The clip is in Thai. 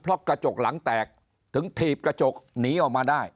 เพราะกระจกหลังแตกถึงถีบกระจกหนีออกมาได้